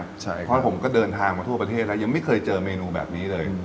เพราะผมก็เดินทางมาทั่วประเทศแล้วยังไม่เคยเจอเมนูแบบนี้เลย